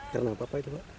karena apa itu pak